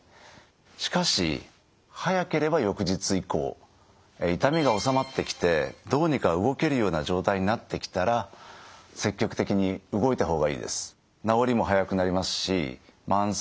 しかし早ければ翌日以降痛みが治まってきてどうにか動けるような状態になってきたら積極的に動いた方がいいです。